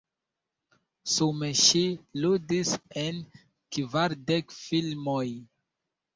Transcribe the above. Sume ŝi ludis en kvardek filmoj.